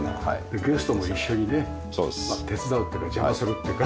ゲストも一緒にね手伝うっていうか邪魔するっていうか。